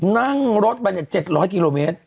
นั่งรถไป๗๐๐กิโลเมตร